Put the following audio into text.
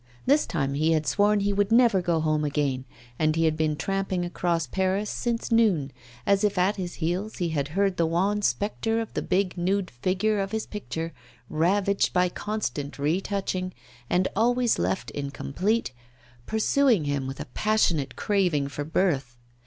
This time he had sworn he would never go home again, and he had been tramping across Paris since noon, as if at his heels he had heard the wan spectre of the big, nude figure of his picture ravaged by constant retouching, and always left incomplete pursuing him with a passionate craving for birth.